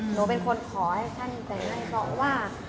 หนูเป็นคนขอให้ท่านแต่งให้เพราะว่า